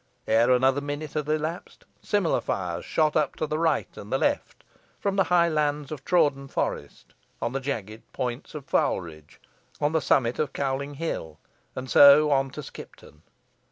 Ere another minute had elapsed, similar fires shot up to the right and the left, on the high lands of Trawden Forest, on the jagged points of Foulridge, on the summit of Cowling Hill, and so on to Skipton.